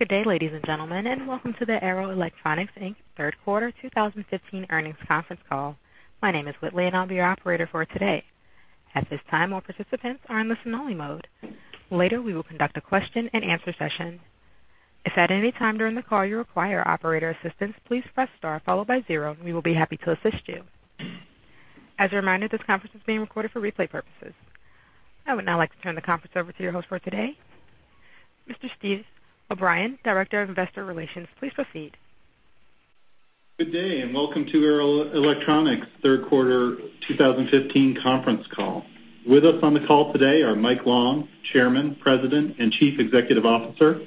Good day, ladies and gentlemen, and welcome to the Arrow Electronics, Inc. Third Quarter 2015 Earnings Conference Call. My name is Whitley, and I'll be your operator for today. At this time, all participants are in listen-only mode. Later, we will conduct a question-and-answer session. If at any time during the call you require operator assistance, please press star followed by zero, and we will be happy to assist you. As a reminder, this conference is being recorded for replay purposes. I would now like to turn the conference over to your host for today, Mr. Steve O'Brien, Director of Investor Relations. Please proceed. Good day, and welcome to Arrow Electronics' Third Quarter 2015 conference call. With us on the call today are Mike Long, Chairman, President, and Chief Executive Officer,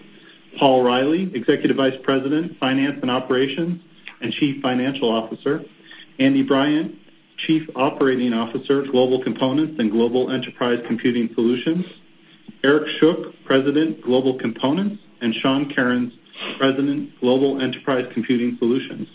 Paul Reilly, Executive Vice President, Finance and Operations, and Chief Financial Officer, Andy Bryant, Chief Operating Officer, Global Components and Global Enterprise Computing Solutions, Eric Schuck, President, Global Components, and Sean Kerins, President, Global Enterprise Computing Solutions.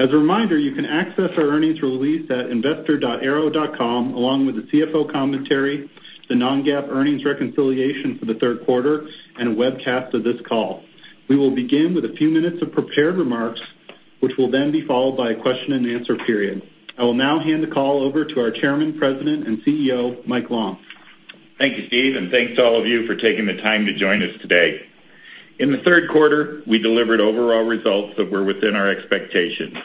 As a reminder, you can access our earnings release at investor.arrow.com, along with the CFO commentary, the non-GAAP earnings reconciliation for the third quarter, and a webcast of this call. We will begin with a few minutes of prepared remarks, which will then be followed by a question-and-answer period. I will now hand the call over to our Chairman, President, and CEO, Mike Long. Thank you, Steve, and thanks to all of you for taking the time to join us today. In the third quarter, we delivered overall results that were within our expectations.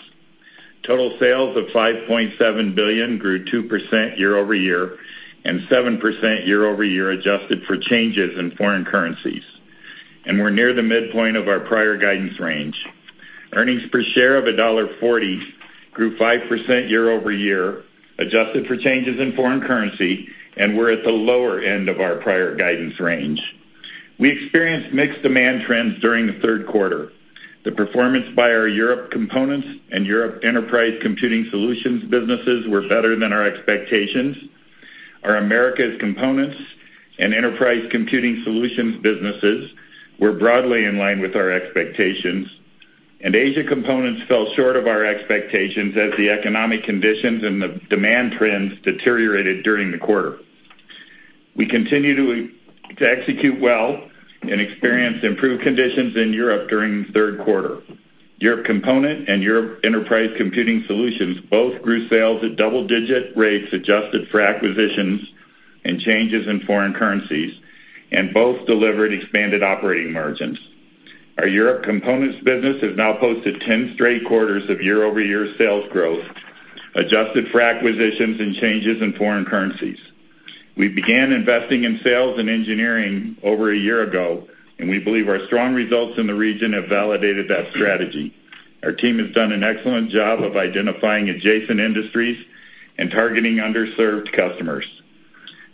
Total sales of $5.7 billion grew 2% year-over-year and 7% year-over-year, adjusted for changes in foreign currencies, and we're near the midpoint of our prior guidance range. Earnings per share of $1.40 grew 5% year-over-year, adjusted for changes in foreign currency, and we're at the lower end of our prior guidance range. We experienced mixed demand trends during the third quarter. The performance by our Europe Components and Europe Enterprise Computing Solutions businesses were better than our expectations. Our Americas Components and Enterprise Computing Solutions businesses were broadly in line with our expectations, and Asia Components fell short of our expectations as the economic conditions and the demand trends deteriorated during the quarter. We continue to execute well and experienced improved conditions in Europe during the third quarter. Europe Components and Europe Enterprise Computing Solutions both grew sales at double-digit rates, adjusted for acquisitions and changes in foreign currencies, and both delivered expanded operating margins. Our Europe Components business has now posted ten straight quarters of year-over-year sales growth, adjusted for acquisitions and changes in foreign currencies. We began investing in sales and engineering over a year ago, and we believe our strong results in the region have validated that strategy. Our team has done an excellent job of identifying adjacent industries and targeting underserved customers.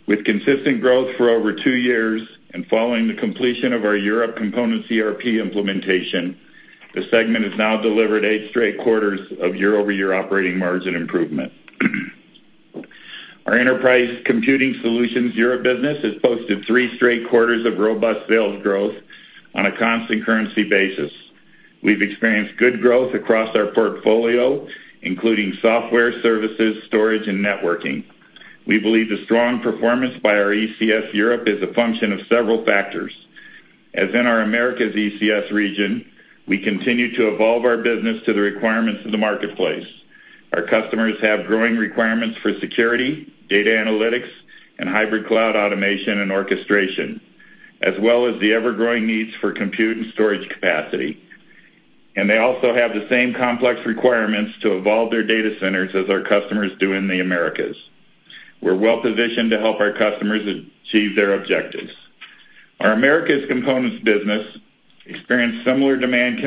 With consistent growth for over two years and following the completion of our European Components ERP implementation, the segment has now delivered eight straight quarters of year-over-year operating margin improvement. Our Enterprise Computing Solutions Europe business has posted three straight quarters of robust sales growth on a constant currency basis. We've experienced good growth across our portfolio, including software, services, storage, and networking. We believe the strong performance by our ECS Europe is a function of several factors. As in our Americas ECS region, we continue to evolve our business to the requirements of the marketplace. Our customers have growing requirements for security, data analytics, and hybrid cloud automation and orchestration, as well as the ever-growing needs for compute and storage capacity. They also have the same complex requirements to evolve their data centers as our customers do in the Americas. We're well positioned to help our customers achieve their objectives. Our Americas Components business experienced similar demand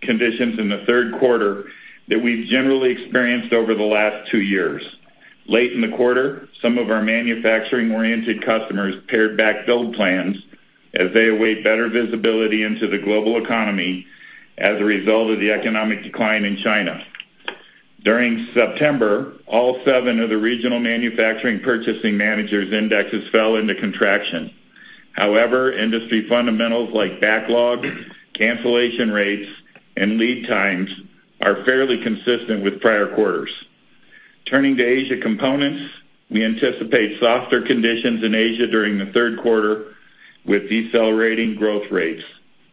conditions in the third quarter that we've generally experienced over the last two years. Late in the quarter, some of our manufacturing-oriented customers pared back build plans as they await better visibility into the global economy as a result of the economic decline in China. During September, all seven of the regional manufacturing purchasing managers' indexes fell into contraction. However, industry fundamentals like backlog, cancellation rates, and lead times are fairly consistent with prior quarters. Turning to Asia Components, we anticipate softer conditions in Asia during the third quarter, with decelerating growth rates.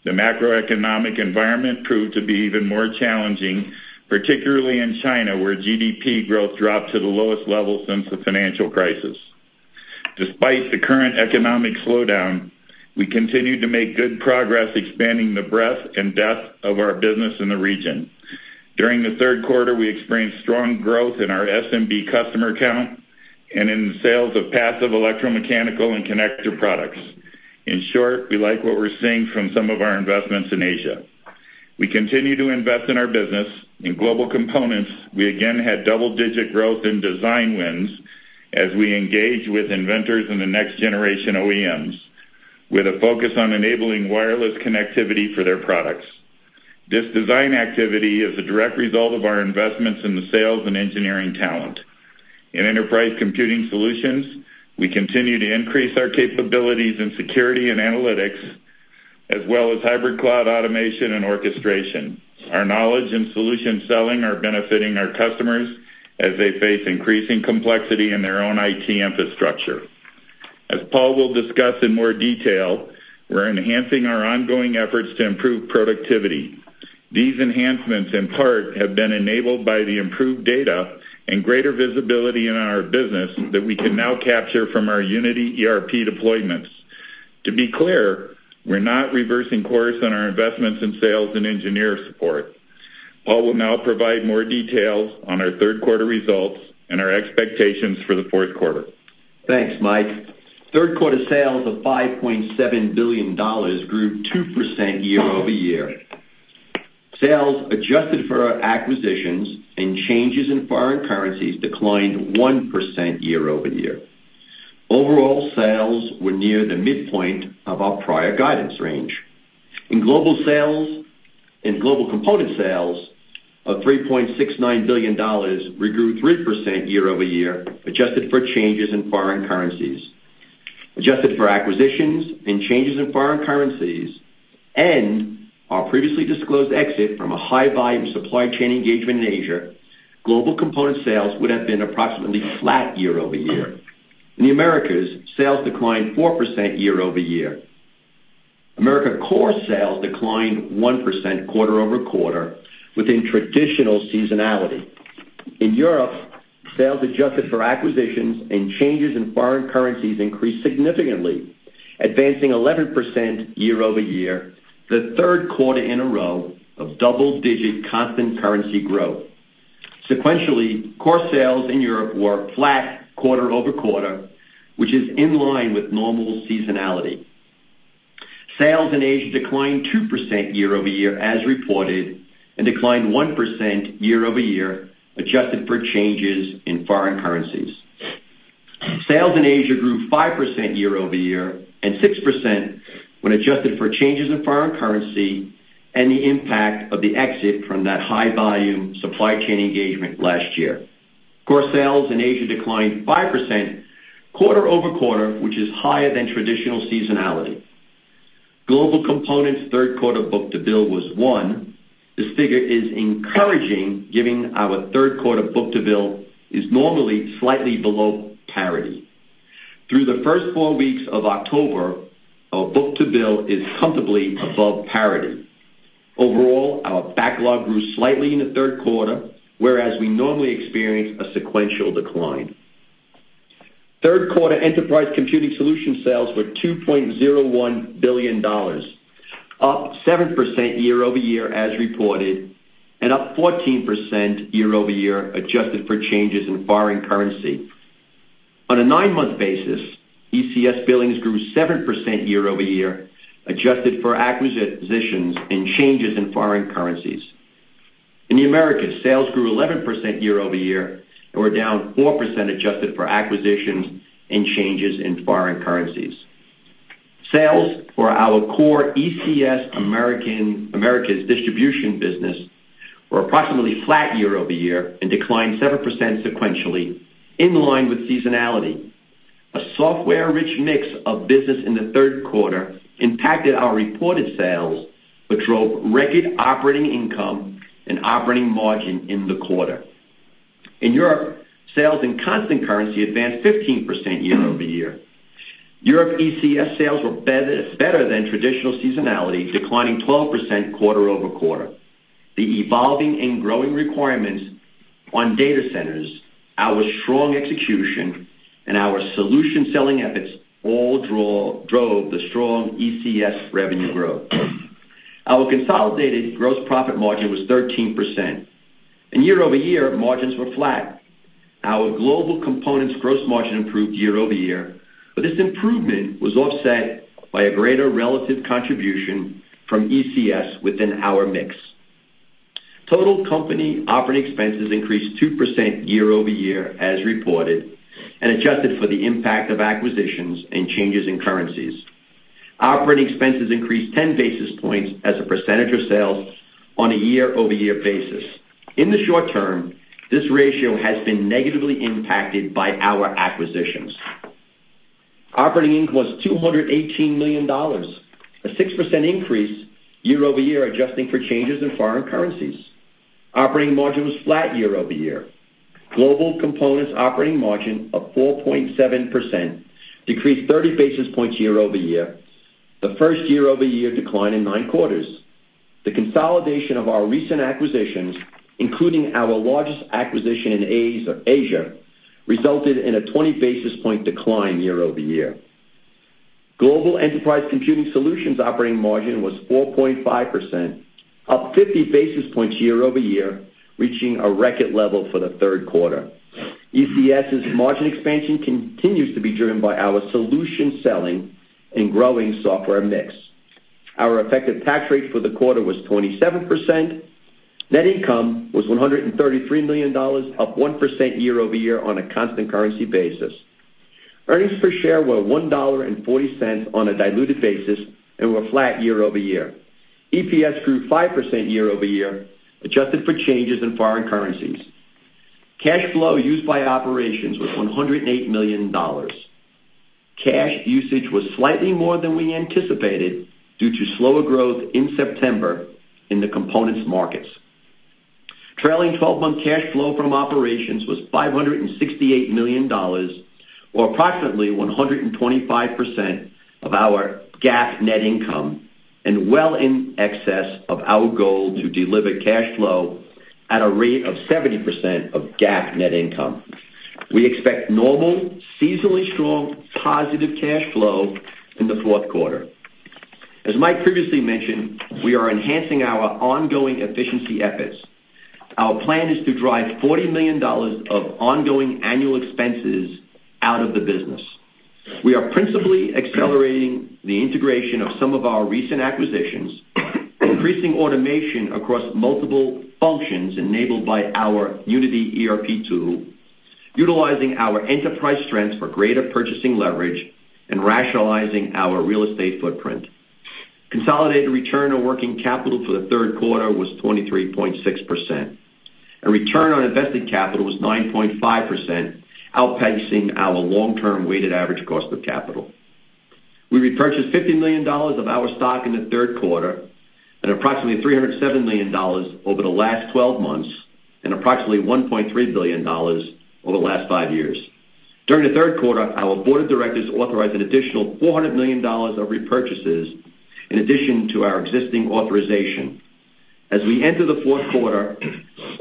The macroeconomic environment proved to be even more challenging, particularly in China, where GDP growth dropped to the lowest level since the financial crisis. Despite the current economic slowdown, we continued to make good progress expanding the breadth and depth of our business in the region. During the third quarter, we experienced strong growth in our SMB customer count and in the sales of passive electromechanical and connector products. In short, we like what we're seeing from some of our investments in Asia. We continue to invest in our business. In Global Components, we again had double-digit growth in design wins as we engage with inventors in the next generation OEMs, with a focus on enabling wireless connectivity for their products. This design activity is a direct result of our investments in the sales and engineering talent. In Enterprise Computing Solutions, we continue to increase our capabilities in security and analytics, as well as hybrid cloud automation and orchestration. Our knowledge and solution selling are benefiting our customers. As they face increasing complexity in their own IT infrastructure. As Paul will discuss in more detail, we're enhancing our ongoing efforts to improve productivity. These enhancements, in part, have been enabled by the improved data and greater visibility in our business that we can now capture from our Unity ERP deployments. To be clear, we're not reversing course on our investments in sales and engineer support. Paul will now provide more details on our third quarter results and our expectations for the fourth quarter. Thanks, Mike. Third quarter sales of $5.7 billion grew 2% year-over-year. Sales, adjusted for our acquisitions and changes in foreign currencies, declined 1% year-over-year. Overall, sales were near the midpoint of our prior guidance range. In global sales—in Global Components sales of $3.69 billion regrew 3% year-over-year, adjusted for changes in foreign currencies. Adjusted for acquisitions and changes in foreign currencies, and our previously disclosed exit from a high-volume supply chain engagement in Asia, global component sales would have been approximately flat year-over-year. In the Americas, sales declined 4% year-over-year. Americas core sales declined 1% quarter-over-quarter, within traditional seasonality. In Europe, sales, adjusted for acquisitions and changes in foreign currencies, increased significantly, advancing 11% year-over-year, the third quarter in a row of double-digit constant currency growth. Sequentially, core sales in Europe were flat quarter-over-quarter, which is in line with normal seasonality. Sales in Asia declined 2% year-over-year, as reported, and declined 1% year-over-year, adjusted for changes in foreign currencies. Sales in Asia grew 5% year-over-year, and 6% when adjusted for changes in foreign currency and the impact of the exit from that high-volume supply chain engagement last year. Core sales in Asia declined 5% quarter-over-quarter, which is higher than traditional seasonality. Global Components third quarter book-to-bill was 1. This figure is encouraging, given our third quarter book-to-bill is normally slightly below parity. Through the first 4 weeks of October, our book-to-bill is comfortably above parity. Overall, our backlog grew slightly in the third quarter, whereas we normally experience a sequential decline. Third quarter Enterprise Computing Solutions sales were $2.01 billion, up 7% year-over-year, as reported, and up 14% year-over-year, adjusted for changes in foreign currency. On a nine-month basis, ECS billings grew 7% year-over-year, adjusted for acquisitions and changes in foreign currencies. In the Americas, sales grew 11% year-over-year and were down 4%, adjusted for acquisitions and changes in foreign currencies. Sales for our core ECS Americas distribution business were approximately flat year-over-year and declined 7% sequentially, in line with seasonality. A software-rich mix of business in the third quarter impacted our reported sales, but drove record operating income and operating margin in the quarter. In Europe, sales in constant currency advanced 15% year-over-year. Europe ECS sales were better than traditional seasonality, declining 12% quarter-over-quarter. The evolving and growing requirements on data centers, our strong execution, and our solution selling efforts all drove the strong ECS revenue growth. Our consolidated gross profit margin was 13%, and year-over-year, margins were flat. Our Global Components gross margin improved year-over-year, but this improvement was offset by a greater relative contribution from ECS within our mix. Total company operating expenses increased 2% year-over-year, as reported, and adjusted for the impact of acquisitions and changes in currencies. Operating expenses increased 10 basis points as a percentage of sales on a year-over-year basis. In the short term, this ratio has been negatively impacted by our acquisitions. Operating income was $218 million, a 6% increase year-over-year, adjusting for changes in foreign currencies. Operating margin was flat year-over-year. Global Components operating margin of 4.7% decreased 30 basis points year-over-year, the first year-over-year decline in 9 quarters. The consolidation of our recent acquisitions, including our largest acquisition in Asia, resulted in a 20 basis point decline year-over-year. Global Enterprise Computing Solutions operating margin was 4.5%, up 50 basis points year-over-year, reaching a record level for the third quarter. ECS's margin expansion continues to be driven by our solution selling and growing software mix. Our effective tax rate for the quarter was 27%. Net income was $133 million, up 1% year-over-year on a constant currency basis. Earnings per share were $1.40 on a diluted basis and were flat year-over-year. EPS grew 5% year-over-year, adjusted for changes in foreign currencies. Cash flow used by operations was $108 million. Cash usage was slightly more than we anticipated due to slower growth in September in the components markets. Trailing twelve-month cash flow from operations was $568 million, or approximately 125% of our GAAP net income, and well in excess of our goal to deliver cash flow at a rate of 70% of GAAP net income. We expect normal, seasonally strong, positive cash flow in the fourth quarter. As Mike previously mentioned, we are enhancing our ongoing efficiency efforts. Our plan is to drive $40 million of ongoing annual expenses out of the business. We are principally accelerating the integration of some of our recent acquisitions, increasing automation across multiple functions enabled by our Unity ERP tool, utilizing our enterprise strengths for greater purchasing leverage, and rationalizing our real estate footprint. Consolidated return on working capital for the third quarter was 23.6%. A return on invested capital was 9.5%, outpacing our long-term weighted average cost of capital. We repurchased $50 million of our stock in the third quarter, and approximately $307 million over the last twelve months, and approximately $1.3 billion over the last five years. During the third quarter, our board of directors authorized an additional $400 million of repurchases in addition to our existing authorization. As we enter the fourth quarter,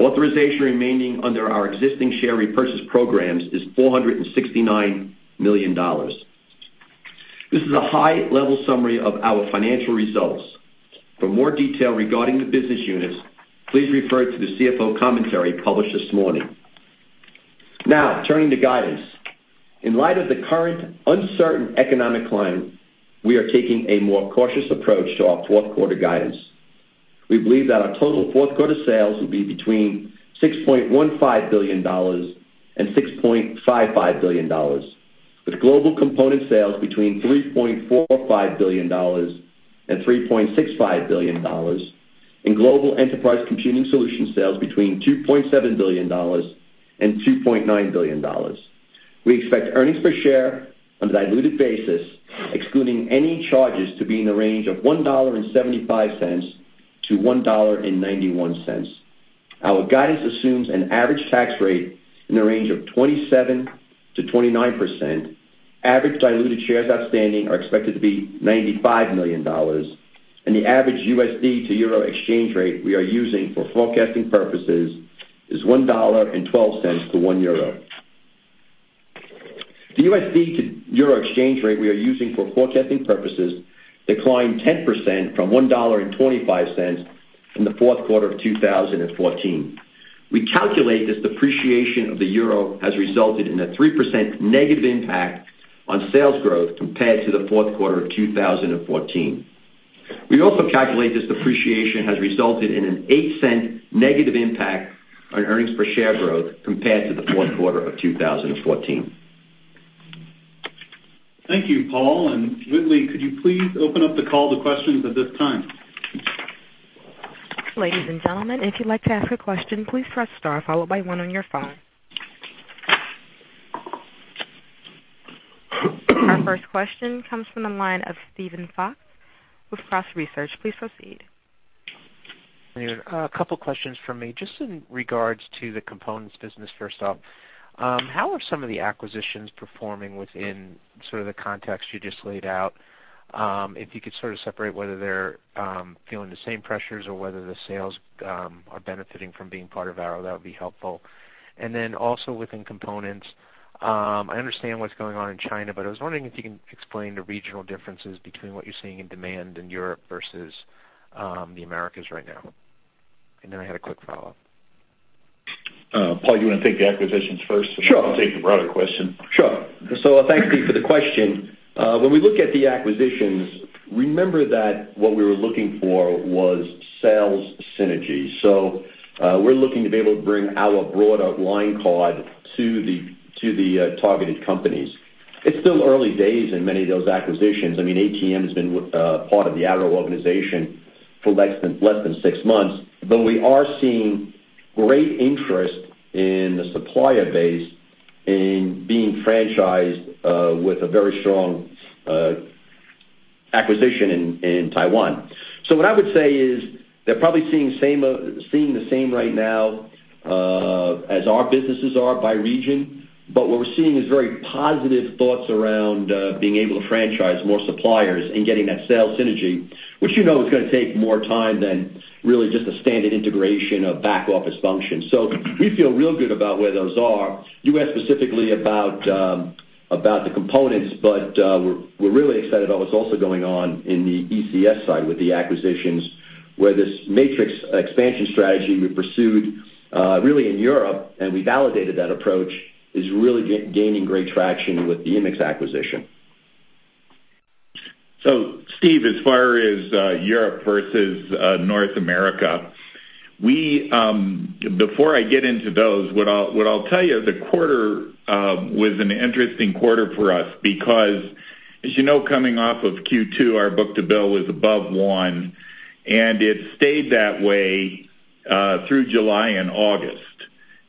authorization remaining under our existing share repurchase programs is $469 million. This is a high-level summary of our financial results. For more detail regarding the business units, please refer to the CFO commentary published this morning. Now, turning to guidance. In light of the current uncertain economic climate, we are taking a more cautious approach to our fourth quarter guidance. We believe that our total fourth quarter sales will be between $6.15 billion and $6.55 billion, with Global Components sales between $3.45 billion and $3.65 billion, and Global Enterprise Computing Solutions sales between $2.7 billion and $2.9 billion. We expect earnings per share on a diluted basis, excluding any charges, to be in the range of $1.75 to $1.91. Our guidance assumes an average tax rate in the range of 27%-29%. Average diluted shares outstanding are expected to be $95 million, and the average USD to euro exchange rate we are using for forecasting purposes is $1.12 to €1. The USD to euro exchange rate we are using for forecasting purposes declined 10% from $1.25 in the fourth quarter of 2014. We calculate this depreciation of the euro has resulted in a 3% negative impact on sales growth compared to the fourth quarter of 2014. We also calculate this depreciation has resulted in an $0.08 negative impact on earnings per share growth compared to the fourth quarter of 2014. Thank you, Paul. Whitley, could you please open up the call to questions at this time? Ladies and gentlemen, if you'd like to ask a question, please press star, followed by one on your phone. Our first question comes from the line of Steven Fox with Cross Research. Please proceed. A couple questions for me. Just in regards to the components business first off, how are some of the acquisitions performing within sort of the context you just laid out? If you could sort of separate whether they're feeling the same pressures or whether the sales are benefiting from being part of Arrow, that would be helpful. And then also within components, I understand what's going on in China, but I was wondering if you can explain the regional differences between what you're seeing in demand in Europe versus the Americas right now. And then I had a quick follow-up. Paul, you want to take the acquisitions first? Sure. And I'll take the broader question? Sure. So thank you for the question. When we look at the acquisitions, remember that what we were looking for was sales synergy. So, we're looking to be able to bring our broader line card to the targeted companies. It's still early days in many of those acquisitions. I mean, ATM has been part of the Arrow organization for less than six months, but we are seeing great interest in the supplier base in being franchised with a very strong acquisition in Taiwan. So what I would say is they're probably seeing the same right now as our businesses are by region. But what we're seeing is very positive thoughts around being able to franchise more suppliers and getting that sales synergy, which you know is going to take more time than really just a standard integration of back office functions. So we feel real good about where those are. You asked specifically about the components, but we're really excited about what's also going on in the ECS side with the acquisitions, where this matrix expansion strategy we pursued really in Europe, and we validated that approach, is really gaining great traction with the Immix acquisition. So Steve, as far as Europe versus North America, before I get into those, what I'll tell you, the quarter was an interesting quarter for us because, as you know, coming off of Q2, our book-to-bill was above 1, and it stayed that way through July and August.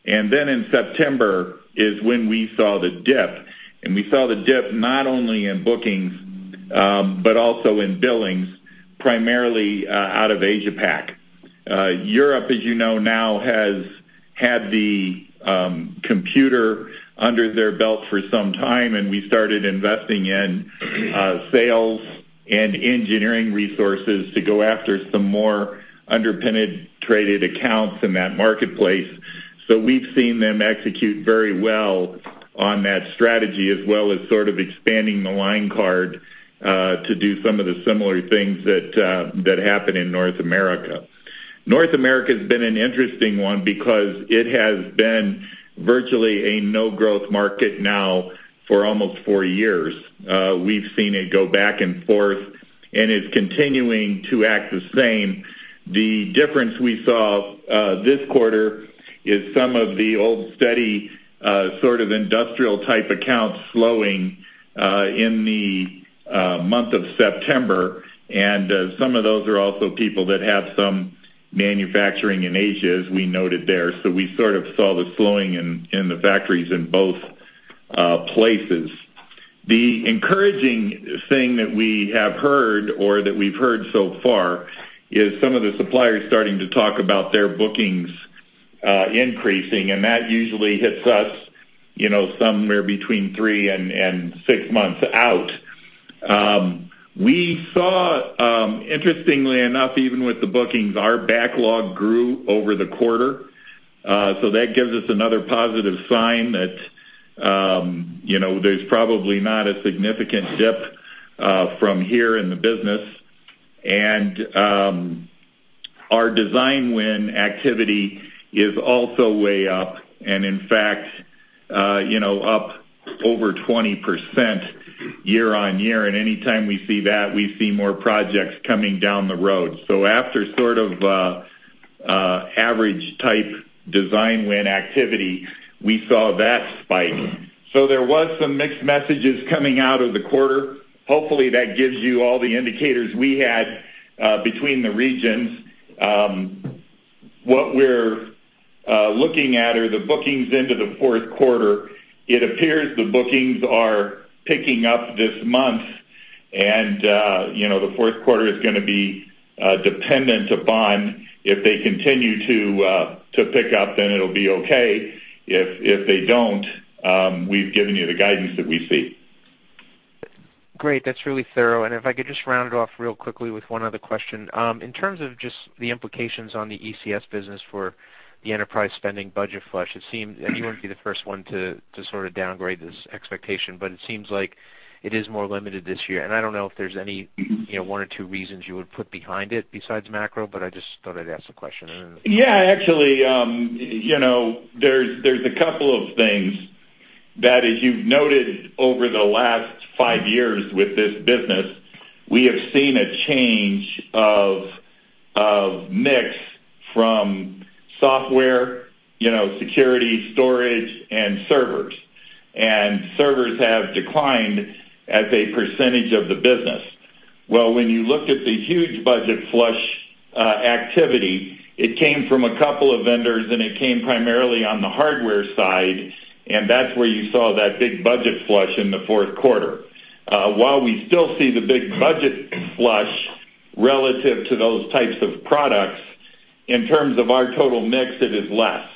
And then in September is when we saw the dip, and we saw the dip not only in bookings, but also in billings, primarily out of Asia Pac. Europe, as you know now, has had the compute under their belt for some time, and we started investing in sales and engineering resources to go after some more underpenetrated targeted accounts in that marketplace. So we've seen them execute very well on that strategy, as well as sort of expanding the line card to do some of the similar things that happen in North America. North America has been an interesting one because it has been virtually a no-growth market now for almost four years. We've seen it go back and forth, and it's continuing to act the same. The difference we saw this quarter is some of the old, steady, sort of industrial-type accounts slowing in the month of September, and some of those are also people that have some manufacturing in Asia, as we noted there. So we sort of saw the slowing in the factories in both places. The encouraging thing that we have heard, or that we've heard so far, is some of the suppliers starting to talk about their bookings increasing, and that usually hits us, you know, somewhere between 3 and 6 months out. We saw, interestingly enough, even with the bookings, our backlog grew over the quarter. So that gives us another positive sign that, you know, there's probably not a significant dip from here in the business. And, our design win activity is also way up, and in fact, you know, up over 20% year-on-year, and anytime we see that, we see more projects coming down the road. So after sort of, average type design win activity, we saw that spike. So there was some mixed messages coming out of the quarter. Hopefully, that gives you all the indicators we had, between the regions. What we're looking at are the bookings into the fourth quarter. It appears the bookings are picking up this month, and, you know, the fourth quarter is gonna be dependent upon if they continue to pick up, then it'll be okay. If they don't, we've given you the guidance that we see. Great, that's really thorough. And if I could just round it off real quickly with one other question. In terms of just the implications on the ECS business for the enterprise spending budget flush, it seemed—and you wouldn't be the first one to sort of downgrade this expectation, but it seems like it is more limited this year. And I don't know if there's any, you know, one or two reasons you would put behind it besides macro, but I just thought I'd ask the question. Yeah, actually, you know, there's a couple of things that, as you've noted over the last five years with this business, we have seen a change of mix from software, you know, security, storage, and servers. And servers have declined as a percentage of the business. Well, when you looked at the huge budget flush activity, it came from a couple of vendors, and it came primarily on the hardware side, and that's where you saw that big budget flush in the fourth quarter. While we still see the big budget flush relative to those types of products, in terms of our total mix, it is less.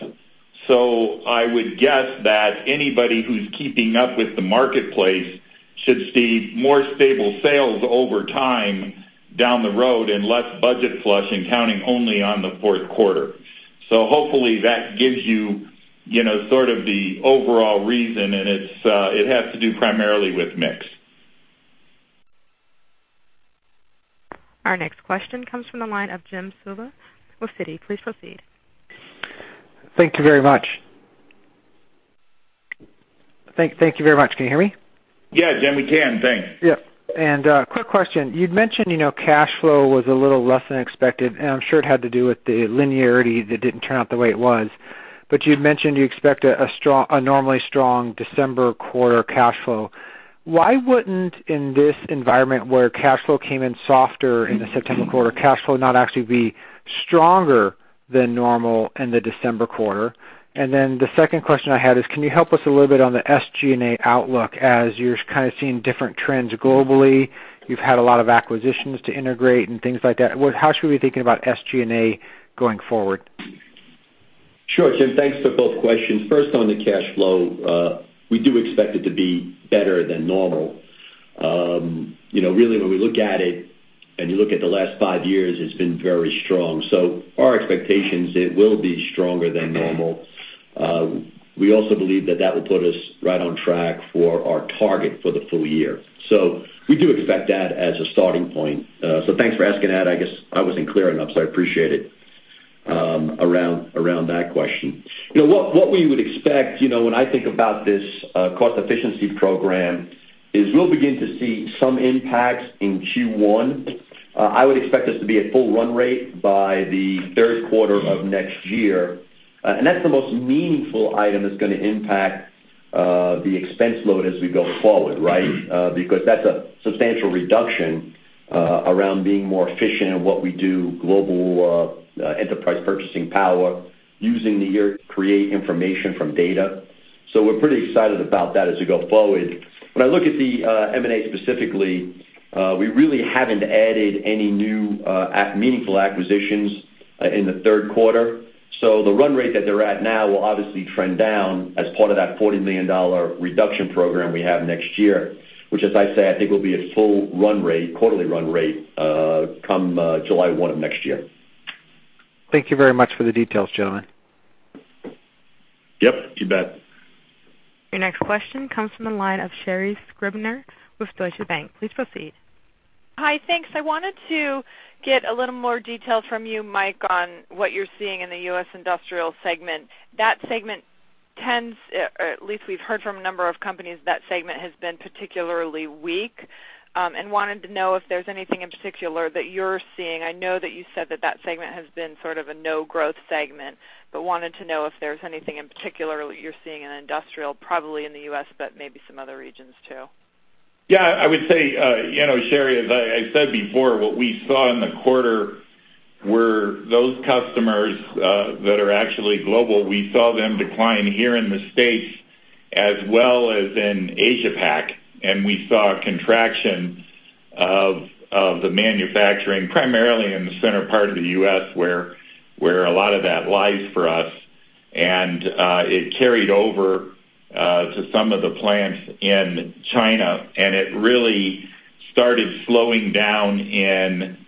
So I would guess that anybody who's keeping up with the marketplace should see more stable sales over time down the road and less budget flush and counting only on the fourth quarter. So hopefully that gives you, you know, sort of the overall reason, and it's, it has to do primarily with mix. Our next question comes from the line of Jim Suva with Citi. Please proceed. Thank you very much. Thank, thank you very much. Can you hear me? Yes, Jim, we can. Thanks. Yep. And, quick question, you'd mentioned, you know, cash flow was a little less than expected, and I'm sure it had to do with the linearity that didn't turn out the way it was. But you'd mentioned you expect a strong, a normally strong December quarter cash flow. Why wouldn't, in this environment, where cash flow came in softer in the September quarter, cash flow not actually be stronger than normal in the December quarter? And then the second question I had is, can you help us a little bit on the SG&A outlook as you're kind of seeing different trends globally? You've had a lot of acquisitions to integrate and things like that. How should we be thinking about SG&A going forward? Sure, Jim. Thanks for both questions. First, on the cash flow, we do expect it to be better than normal. You know, really, when we look at it, and you look at the last five years, it's been very strong. So our expectations, it will be stronger than normal. We also believe that that will put us right on track for our target for the full year. So we do expect that as a starting point. So thanks for asking that. I guess I wasn't clear enough, so I appreciate it, around that question. You know, what we would expect, you know, when I think about this cost efficiency program, is we'll begin to see some impacts in Q1. I would expect us to be at full run rate by the third quarter of next year. And that's the most meaningful item that's gonna impact the expense load as we go forward, right? Because that's a substantial reduction around being more efficient in what we do, global enterprise purchasing power, using the year to create information from data. So we're pretty excited about that as we go forward. When I look at the M&A specifically, we really haven't added any new meaningful acquisitions in the third quarter. So the run rate that they're at now will obviously trend down as part of that $40 million reduction program we have next year, which, as I say, I think will be a full run rate, quarterly run rate, come July one of next year. Thank you very much for the details, gentlemen. Yep, you bet. Your next question comes from the line of Sherri Scribner with Deutsche Bank. Please proceed. Hi, thanks. I wanted to get a little more detail from you, Mike, on what you're seeing in the U.S. industrial segment. That segment tends, or at least we've heard from a number of companies, that segment has been particularly weak. And wanted to know if there's anything in particular that you're seeing. I know that you said that, that segment has been sort of a no-growth segment, but wanted to know if there's anything in particular you're seeing in industrial, probably in the U.S., but maybe some other regions, too. Yeah, I would say, you know, Sherri, as I said before, what we saw in the quarter were those customers that are actually global. We saw them decline here in the States as well as in Asia Pac, and we saw a contraction of the manufacturing, primarily in the center part of the U.S., where a lot of that lies for us. And it carried over to some of the plants in China, and it really started slowing down in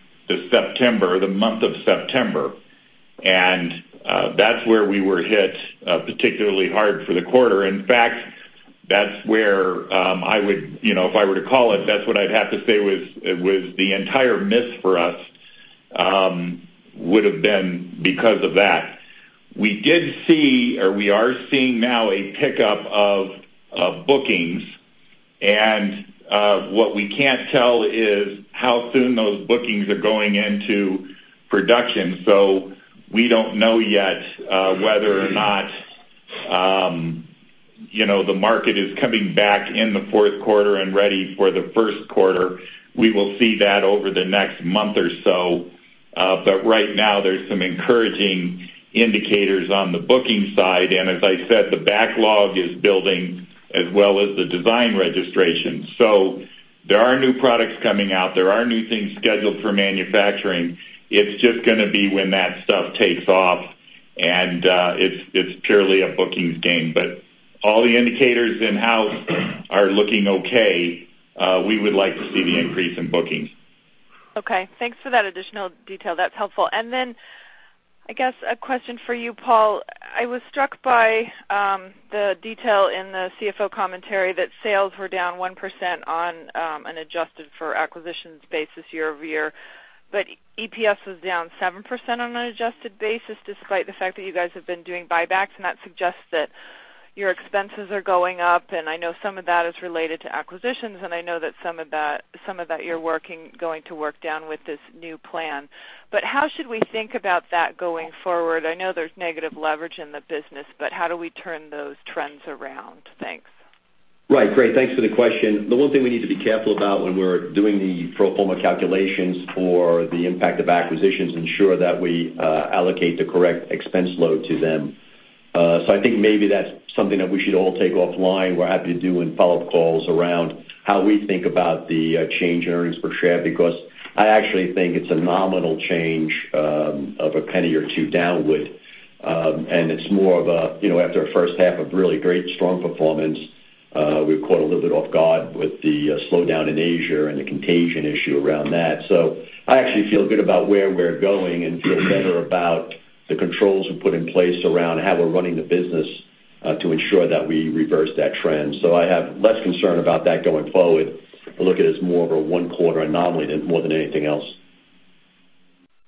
September, the month of September. And that's where we were hit particularly hard for the quarter. In fact, that's where, you know, if I were to call it, that's what I'd have to say was, it was the entire miss for us, would have been because of that. We did see, or we are seeing now, a pickup of bookings, and what we can't tell is how soon those bookings are going into production. So we don't know yet whether or not, you know, the market is coming back in the fourth quarter and ready for the first quarter. We will see that over the next month or so, but right now, there's some encouraging indicators on the booking side. And as I said, the backlog is building as well as the design registration. So there are new products coming out, there are new things scheduled for manufacturing. It's just gonna be when that stuff takes off, and it's purely a bookings game. But all the indicators in-house are looking okay. We would like to see the increase in bookings. Okay. Thanks for that additional detail. That's helpful. Then, I guess a question for you, Paul. I was struck by the detail in the CFO commentary that sales were down 1% on an adjusted for acquisitions basis year-over-year, but EPS was down 7% on an adjusted basis, despite the fact that you guys have been doing buybacks, and that suggests that your expenses are going up. And I know some of that is related to acquisitions, and I know that some of that, some of that you're going to work down with this new plan. But how should we think about that going forward? I know there's negative leverage in the business, but how do we turn those trends around? Thanks. Right. Great, thanks for the question. The one thing we need to be careful about when we're doing the pro forma calculations for the impact of acquisitions, ensure that we allocate the correct expense load to them. So I think maybe that's something that we should all take offline. We're happy to do in follow-up calls around how we think about the change in earnings per share, because I actually think it's a nominal change of $0.01 or $0.02 downward. And it's more of a, you know, after a first half of really great, strong performance, we were caught a little bit off guard with the slowdown in Asia and the contagion issue around that. So I actually feel good about where we're going and feel better about the controls we've put in place around how we're running the business, to ensure that we reverse that trend. So I have less concern about that going forward. I look at it as more of a one-quarter anomaly than more than anything else.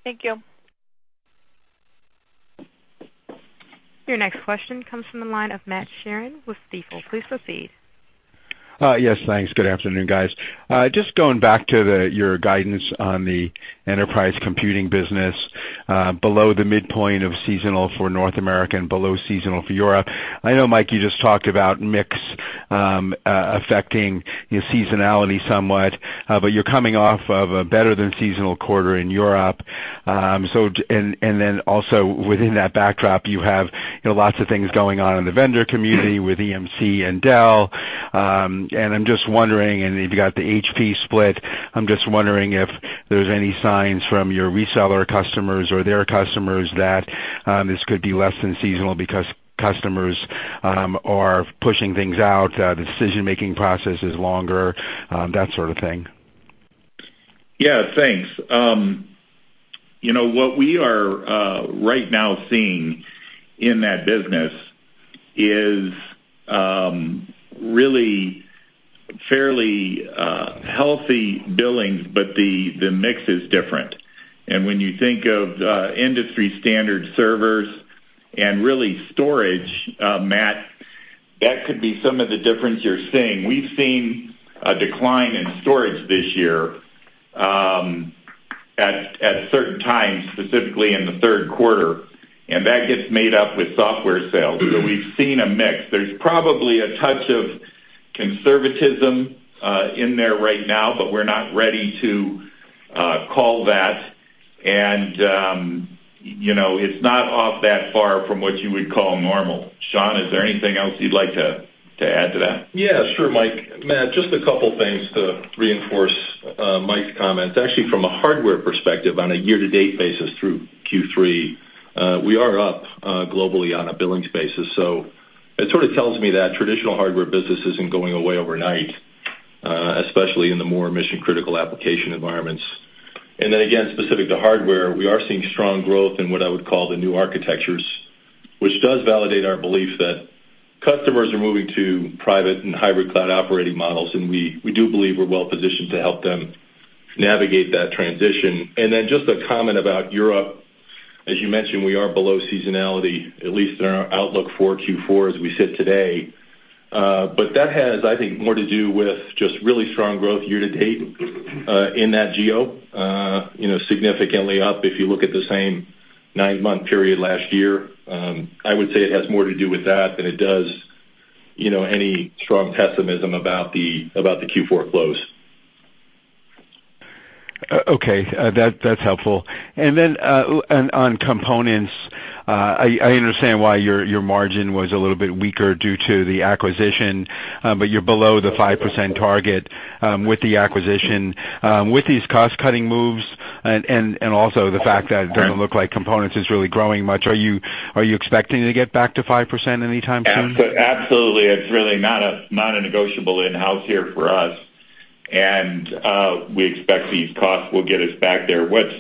Thank you. Your next question comes from the line of Matt Sheerin with Stifel. Please proceed. Yes, thanks. Good afternoon, guys. Just going back to your guidance on the enterprise computing business, below the midpoint of seasonal for North America and below seasonal for Europe. I know, Mike, you just talked about mix affecting your seasonality somewhat, but you're coming off of a better than seasonal quarter in Europe. So, and then also within that backdrop, you have, you know, lots of things going on in the vendor community with EMC and Dell. And I'm just wondering, and you've got the HP split. I'm just wondering if there's any signs from your reseller customers or their customers that this could be less than seasonal because customers are pushing things out, the decision-making process is longer, that sort of thing. Yeah, thanks. You know, what we are right now seeing in that business is really fairly healthy billings, but the mix is different. And when you think of industry standard servers and really storage, Matt, that could be some of the difference you're seeing. We've seen a decline in storage this year at certain times, specifically in the third quarter, and that gets made up with software sales. So we've seen a mix. There's probably a touch of conservatism in there right now, but we're not ready to call that. And you know, it's not off that far from what you would call normal. Sean, is there anything else you'd like to add to that? Yeah, sure, Mike. Matt, just a couple things to reinforce, Mike's comments. Actually, from a hardware perspective, on a year-to-date basis through Q3, we are up, globally on a billings basis. So it sort of tells me that traditional hardware business isn't going away overnight, especially in the more mission-critical application environments. And then again, specific to hardware, we are seeing strong growth in what I would call the new architectures, which does validate our belief that customers are moving to private and hybrid cloud operating models, and we, we do believe we're well positioned to help them navigate that transition. And then just a comment about Europe. As you mentioned, we are below seasonality, at least in our outlook for Q4, as we sit today. But that has, I think, more to do with just really strong growth year to date, in that geo. You know, significantly up if you look at the same nine-month period last year. I would say it has more to do with that than it does, you know, any strong pessimism about the Q4 close. Okay, that’s helpful. And then, on components, I understand why your margin was a little bit weaker due to the acquisition, but you’re below the 5% target with the acquisition. With these cost-cutting moves and also the fact that it doesn’t look like components is really growing much, are you expecting to get back to 5% anytime soon? Absolutely. It's really not a negotiable in-house here for us. And we expect these costs will get us back there. What's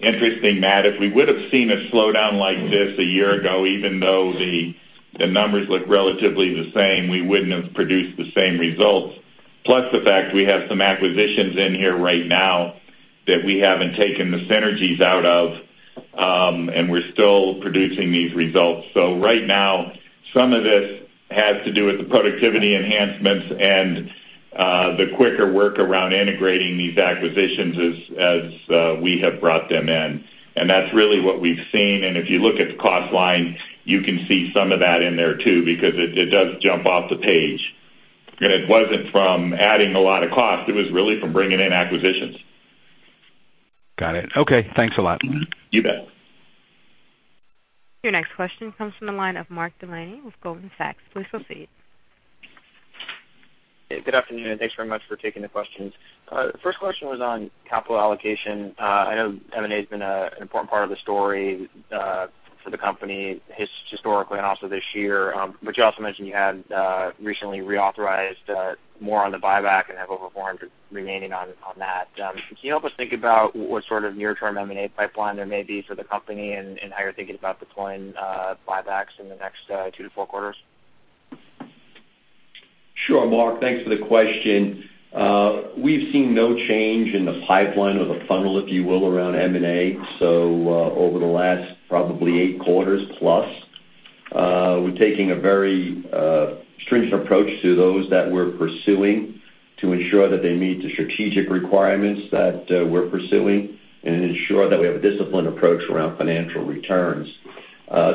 interesting, Matt, if we would've seen a slowdown like this a year ago, even though the numbers look relatively the same, we wouldn't have produced the same results. Plus, the fact we have some acquisitions in here right now that we haven't taken the synergies out of, and we're still producing these results. So right now, some of this has to do with the productivity enhancements and the quicker work around integrating these acquisitions as we have brought them in. And that's really what we've seen. And if you look at the cost line, you can see some of that in there, too, because it does jump off the page. It wasn't from adding a lot of cost, it was really from bringing in acquisitions. Got it. Okay, thanks a lot. You bet. Your next question comes from the line of Mark Delaney with Goldman Sachs. Please proceed. Good afternoon, and thanks very much for taking the questions. The first question was on capital allocation. I know M&A has been an important part of the story for the company, historically and also this year. But you also mentioned you had recently reauthorized more on the buyback and have over 400 remaining on that. Can you help us think about what sort of near-term M&A pipeline there may be for the company, and how you're thinking about deploying buybacks in the next two to four quarters? Sure, Mark. Thanks for the question. We've seen no change in the pipeline or the funnel, if you will, around M&A. So, over the last probably eight quarters plus, we're taking a very stringent approach to those that we're pursuing to ensure that they meet the strategic requirements that we're pursuing and ensure that we have a disciplined approach around financial returns.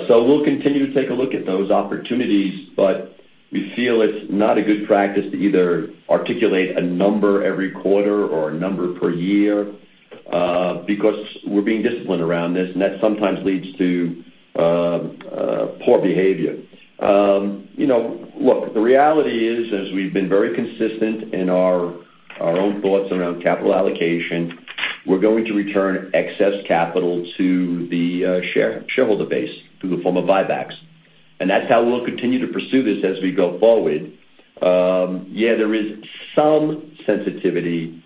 So we'll continue to take a look at those opportunities, but we feel it's not a good practice to either articulate a number every quarter or a number per year, because we're being disciplined around this, and that sometimes leads to poor behavior. You know, look, the reality is, as we've been very consistent in our own thoughts around capital allocation, we're going to return excess capital to the shareholder base through the form of buybacks, and that's how we'll continue to pursue this as we go forward. Yeah, there is some sensitivity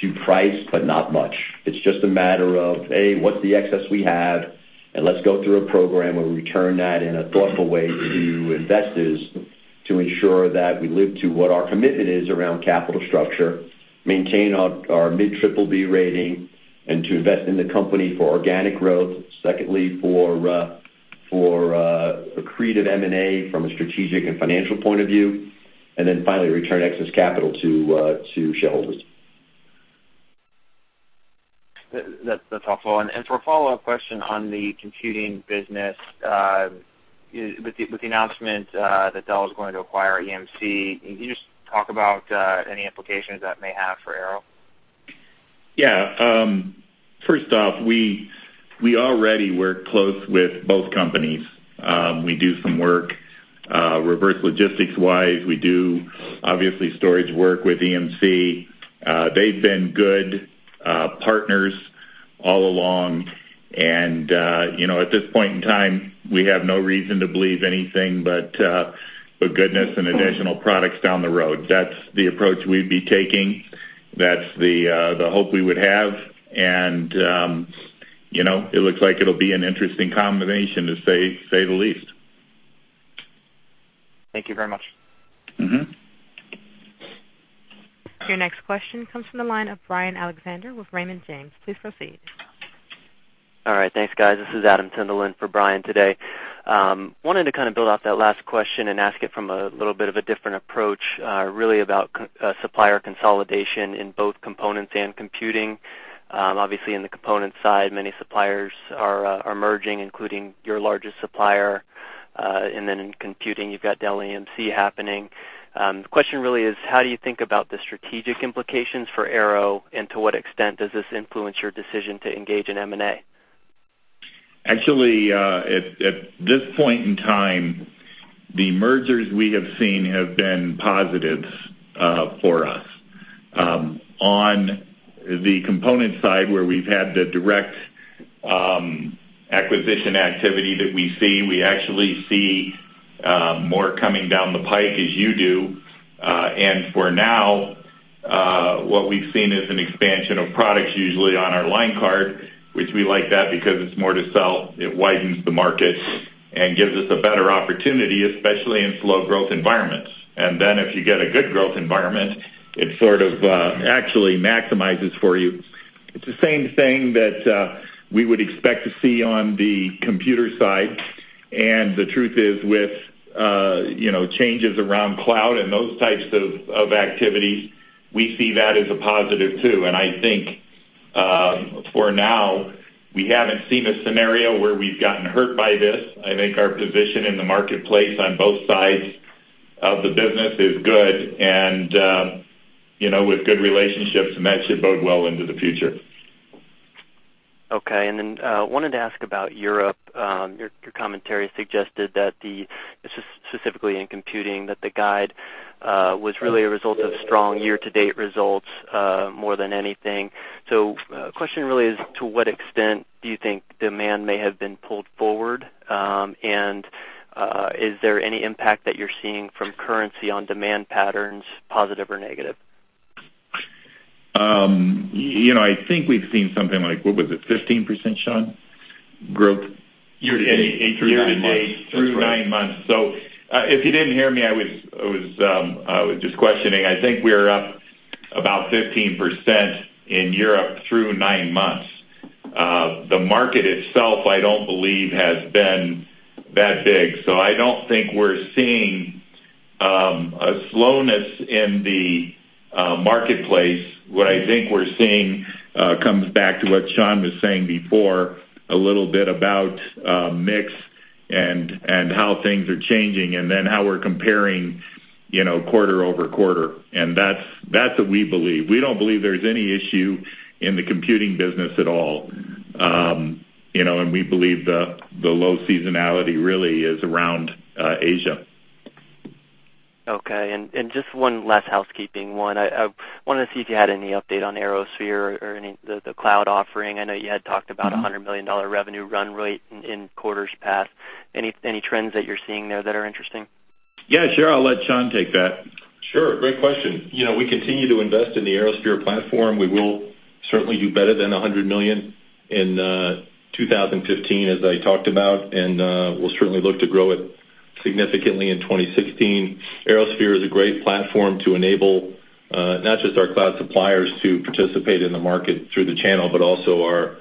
to price, but not much. It's just a matter of, A, what's the excess we have? And let's go through a program where we return that in a thoughtful way to investors to ensure that we live to what our commitment is around capital structure, maintain our mid-triple B rating, and to invest in the company for organic growth. Secondly, for accretive M&A from a strategic and financial point of view, and then finally, return excess capital to shareholders. That's helpful. And for a follow-up question on the computing business, with the announcement that Dell is going to acquire EMC, can you just talk about any implications that may have for Arrow? Yeah. First off, we already work close with both companies. We do some work reverse logistics-wise. We do obviously storage work with EMC. They've been good partners all along, and you know, at this point in time, we have no reason to believe anything but goodness and additional products down the road. That's the approach we'd be taking. That's the hope we would have, and you know, it looks like it'll be an interesting combination to say the least. Thank you very much. Your next question comes from the line of Brian Alexander with Raymond James. Please proceed. All right, thanks, guys. This is Adam Tindall in for Brian today. Wanted to kind of build off that last question and ask it from a little bit of a different approach, really about supplier consolidation in both components and computing. Obviously, in the component side, many suppliers are merging, including your largest supplier, and then in computing, you've got Dell EMC happening. The question really is: how do you think about the strategic implications for Arrow, and to what extent does this influence your decision to engage in M&A? Actually, at this point in time, the mergers we have seen have been positives for us. On the component side, where we've had the direct acquisition activity that we see, we actually see more coming down the pike as you do. And for now, what we've seen is an expansion of products, usually on our line card, which we like that because it's more to sell. It widens the market and gives us a better opportunity, especially in slow growth environments. And then if you get a good growth environment, it sort of actually maximizes for you. It's the same thing that we would expect to see on the computer side. And the truth is, with you know, changes around cloud and those types of activities, we see that as a positive, too. I think, for now, we haven't seen a scenario where we've gotten hurt by this. I think our position in the marketplace on both sides of the business is good and, you know, with good relationships, and that should bode well into the future. Okay, and then wanted to ask about Europe. Your, your commentary suggested that the, specifically in computing, that the guide was really a result of strong year-to-date results, more than anything. So, question really is: to what extent do you think demand may have been pulled forward? And, is there any impact that you're seeing from currency on demand patterns, positive or negative? You know, I think we've seen something like, what was it, 15%, Sean, growth? Year-to-date, through nine months. Year-to-date, through nine months. So, if you didn't hear me, I was just questioning. I think we're up about 15% in Europe through nine months. The market itself, I don't believe has been that big, so I don't think we're seeing a slowness in the marketplace. What I think we're seeing comes back to what Sean was saying before, a little bit about mix and how things are changing, and then how we're comparing, you know, quarter-over-quarter, and that's what we believe. We don't believe there's any issue in the computing business at all. You know, and we believe the low seasonality really is around Asia. Okay, and just one last housekeeping one. I wanted to see if you had any update on ArrowSphere or any... the cloud offering. I know you had talked about a $100 million revenue run rate in quarters past. Any trends that you're seeing there that are interesting? Yeah, sure. I'll let Sean take that. Sure, great question. You know, we continue to invest in the ArrowSphere platform. We will certainly do better than $100 million in 2015, as I talked about, and we'll certainly look to grow it significantly in 2016. ArrowSphere is a great platform to enable not just our cloud suppliers to participate in the market through the channel, but also our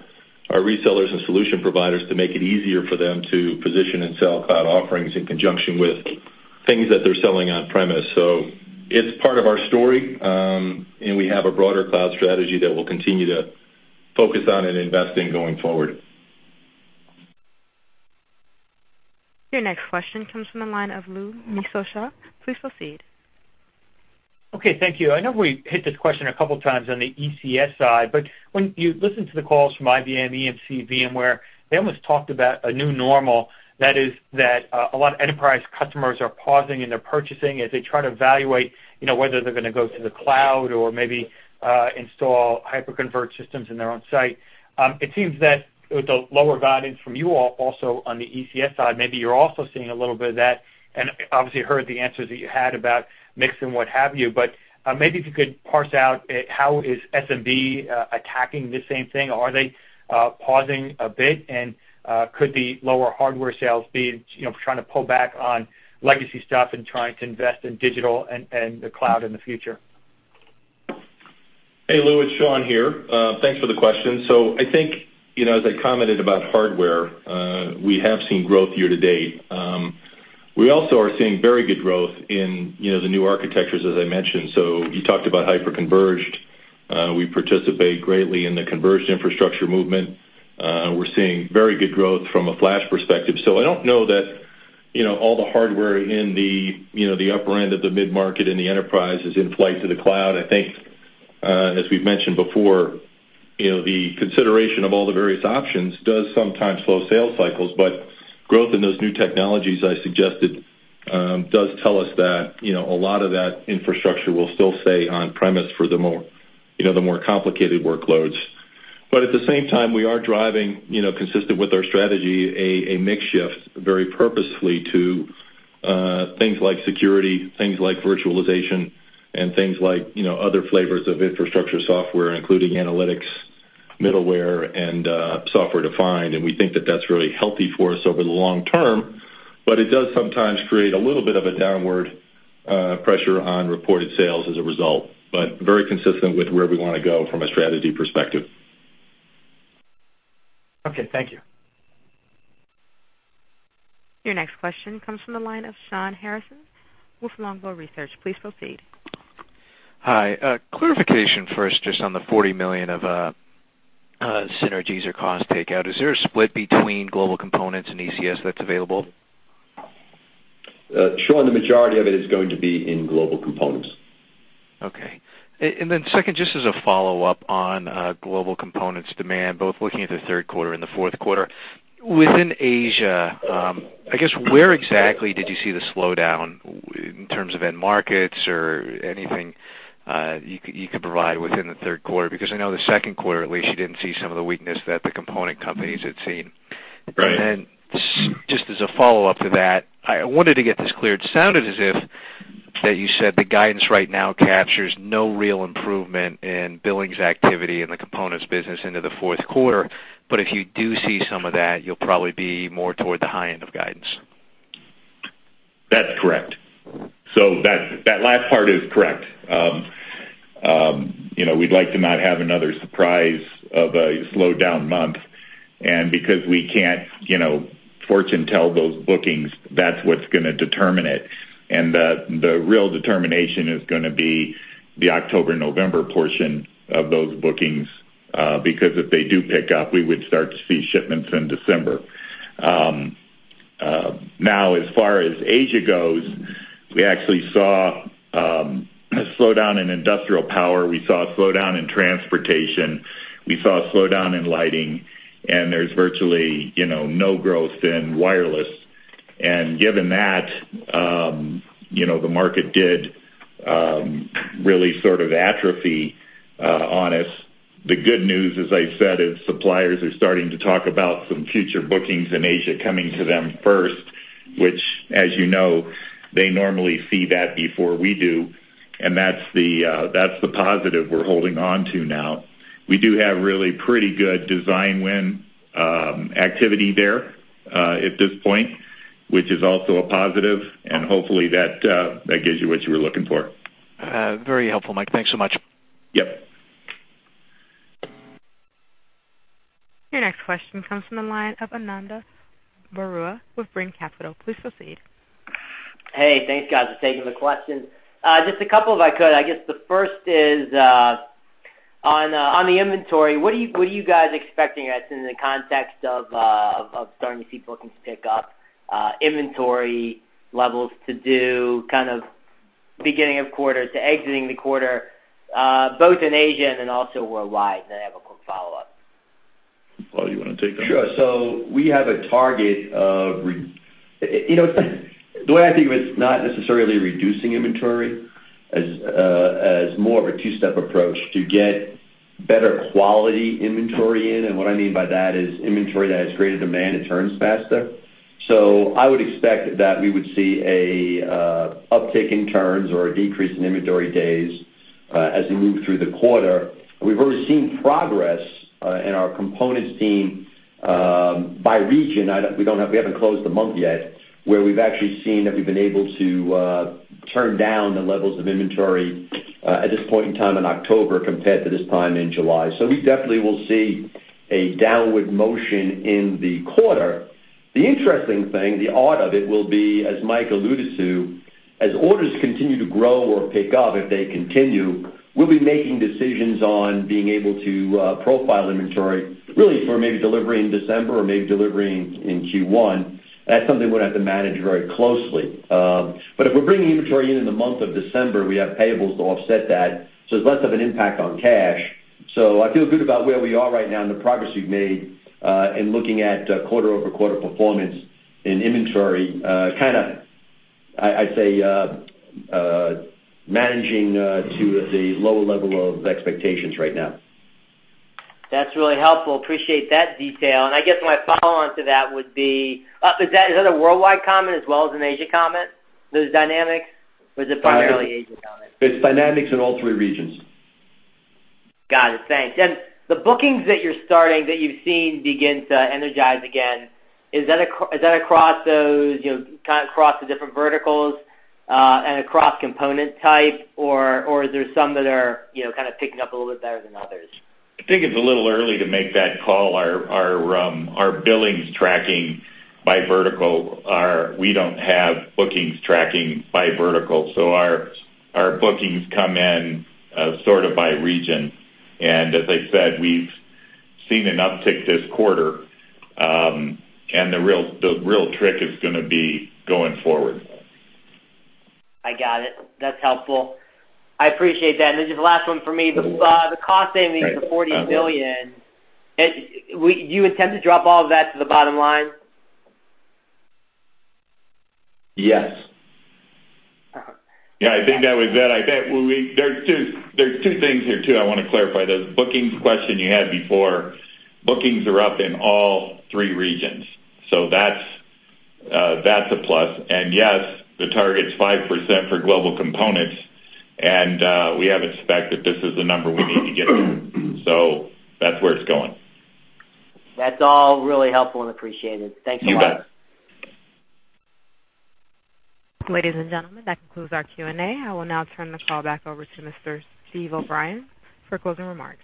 resellers and solution providers to make it easier for them to position and sell cloud offerings in conjunction with things that they're selling on premise. So it's part of our story, and we have a broader cloud strategy that we'll continue to focus on and invest in going forward. Your next question comes from the line of Louis Miscioscia, CLSA Americas. Please proceed. Okay, thank you. I know we hit this question a couple times on the ECS side, but when you listen to the calls from IBM, EMC, VMware, they almost talked about a new normal. That is that a lot of enterprise customers are pausing in their purchasing as they try to evaluate, you know, whether they're going to go to the cloud or maybe install hyper-converged systems in their own site. It seems that with the lower guidance from you all, also on the ECS side, maybe you're also seeing a little bit of that, and obviously heard the answers that you had about mix and what have you. But maybe if you could parse out how is SMB attacking the same thing? Are they pausing a bit? Could the lower hardware sales be, you know, trying to pull back on legacy stuff and trying to invest in digital and the cloud in the future? Hey, Lou, it's Sean here. Thanks for the question. So I think, you know, as I commented about hardware, we have seen growth year to date. We also are seeing very good growth in, you know, the new architectures, as I mentioned. So you talked about hyper-converged. We participate greatly in the converged infrastructure movement. We're seeing very good growth from a flash perspective. So I don't know that, you know, all the hardware in the, you know, the upper end of the mid-market in the enterprise is in flight to the cloud. I think, as we've mentioned before, you know, the consideration of all the various options does sometimes slow sales cycles, but growth in those new technologies, I suggested, does tell us that, you know, a lot of that infrastructure will still stay on premise for the more, you know, the more complicated workloads. But at the same time, we are driving, you know, consistent with our strategy, a mix shift very purposefully to things like security, things like virtualization, and things like, you know, other flavors of infrastructure software, including analytics, middleware, and software defined. And we think that that's really healthy for us over the long term, but it does sometimes create a little bit of a downward, ...pressure on reported sales as a result, but very consistent with where we want to go from a strategy perspective. Okay, thank you. Your next question comes from the line of Shawn Harrison with Longbow Research. Please proceed. Hi, clarification first, just on the $40 million of synergies or cost takeout. Is there a split between Global Components and ECS that's available? Sean, the majority of it is going to be in Global Components. Okay. And then second, just as a follow-up on Global Components demand, both looking at the third quarter and the fourth quarter. Within Asia, I guess, where exactly did you see the slowdown in terms of end markets or anything you could provide within the third quarter? Because I know the second quarter, at least, you didn't see some of the weakness that the component companies had seen. Right. And then, just as a follow-up to that, I wanted to get this cleared. Sounded as if that you said the guidance right now captures no real improvement in billings activity in the components business into the fourth quarter, but if you do see some of that, you'll probably be more toward the high end of guidance. That's correct. So that last part is correct. You know, we'd like to not have another surprise of a slowdown month, and because we can't, you know, fortune tell those bookings, that's what's gonna determine it. And the real determination is gonna be the October-November portion of those bookings, because if they do pick up, we would start to see shipments in December. Now, as far as Asia goes, we actually saw a slowdown in industrial power. We saw a slowdown in transportation. We saw a slowdown in lighting, and there's virtually, you know, no growth in wireless. And given that, you know, the market did really sort of atrophy on us. The good news, as I said, is suppliers are starting to talk about some future bookings in Asia coming to them first, which, as you know, they normally see that before we do, and that's the positive we're holding on to now. We do have really pretty good design win activity there at this point, which is also a positive, and hopefully, that gives you what you were looking for. Very helpful, Mike. Thanks so much. Yep. Your next question comes from the line of Ananda Baruah with Brean Capital. Please proceed. Hey, thanks, guys, for taking the questions. Just a couple, if I could. I guess the first is on the inventory. What are you, what are you guys expecting us in the context of, of starting to see bookings pick up, inventory levels to do kind of beginning of quarter to exiting the quarter, both in Asia and then also worldwide? And then I have a quick follow-up. Paul, you want to take that? Sure. So we have a target of. You know, the way I think of it, it's not necessarily reducing inventory as more of a two-step approach to get better quality inventory in, and what I mean by that is inventory that has greater demand, it turns faster. So I would expect that we would see a uptick in turns or a decrease in inventory days as we move through the quarter. We've already seen progress in our components team by region. We don't have, we haven't closed the month yet, where we've actually seen that we've been able to turn down the levels of inventory at this point in time in October, compared to this time in July. So we definitely will see a downward motion in the quarter. The interesting thing, the odd of it, will be, as Mike alluded to, as orders continue to grow or pick up, if they continue, we'll be making decisions on being able to profile inventory, really for maybe delivery in December or maybe delivering in Q1. That's something we'd have to manage very closely. But if we're bringing inventory in, in the month of December, we have payables to offset that, so it's less of an impact on cash. So I feel good about where we are right now and the progress we've made in looking at quarter-over-quarter performance in inventory. Kind of, I'd say, managing to the lower level of expectations right now. That's really helpful. Appreciate that detail. And I guess my follow-on to that would be... is that, is that a worldwide comment as well as an Asia comment, those dynamics, or is it primarily Asia comment? It's dynamics in all three regions. Got it. Thanks. And the bookings that you're starting, that you've seen begin to energize again, is that across those, you know, kind of across the different verticals, and across component type, or, or is there some that are, you know, kind of picking up a little bit better than others? I think it's a little early to make that call. Our billings tracking by vertical are. We don't have bookings tracking by vertical, so our bookings come in sort of by region. And as I said, we've seen an uptick this quarter, and the real, the real trick is gonna be going forward. I got it. That's helpful. I appreciate that. And this is the last one for me. The, the cost savings- Right. of $40 million. Do you intend to drop all of that to the bottom line? Yes. Yeah, I think that was that. I think, well, we—there are two, there are two things here, too, I want to clarify. The bookings question you had before, bookings are up in all three regions, so that's a plus. And yes, the target's 5% for Global Components, and we have expected this is the number we need to get to. So that's where it's going. That's all really helpful and appreciated. Thank you. You bet. Ladies and gentlemen, that concludes our Q&A. I will now turn the call back over to Mr. Steve O'Brien for closing remarks.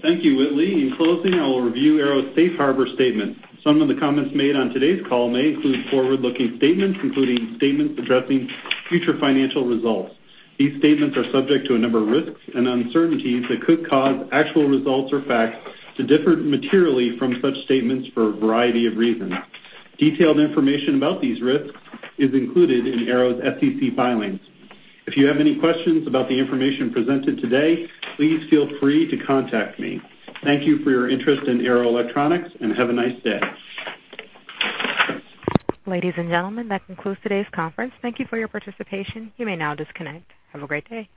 Thank you, Whitley. In closing, I will review Arrow's Safe Harbor statement. Some of the comments made on today's call may include forward-looking statements, including statements addressing future financial results. These statements are subject to a number of risks and uncertainties that could cause actual results or facts to differ materially from such statements for a variety of reasons. Detailed information about these risks is included in Arrow's SEC filings. If you have any questions about the information presented today, please feel free to contact me. Thank you for your interest in Arrow Electronics, and have a nice day. Ladies and gentlemen, that concludes today's conference. Thank you for your participation. You may now disconnect. Have a great day.